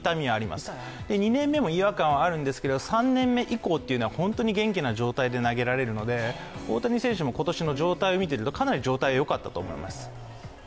まだ、２年目も痛みがあるんですが、３年目以降というのは、本当に元気な状態で投げられるので大谷選手も今年の状態を見てるとかなり状態がよかったと思います。